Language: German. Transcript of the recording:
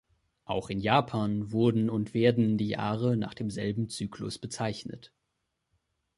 Auch in Japan wurden und werden die Jahre nach demselben Zyklus bezeichnet.